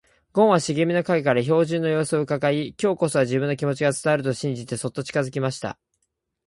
ごんは茂みの影から兵十の様子をうかがい、今日こそは自分の気持ちが伝わると信じてそっと近づきました。